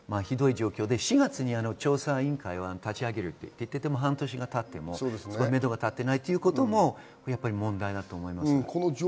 そこが一番ひどい状況で４月に調査委員会を立ち上げると言っていても半年が経ってもめどが立っていないということも問題です。